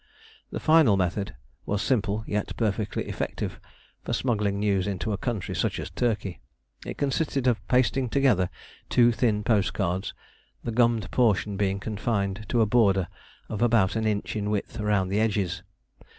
The final method was simple, yet perfectly effective for smuggling news into a country such as Turkey. It consisted of pasting together two thin post cards, the gummed portion being confined to a border of about an inch in width round the edges.